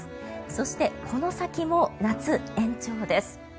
そして、この先も夏延長です。